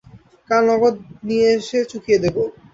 কাল নগদ নিয়ে এসে চুকিয়ে দেবো।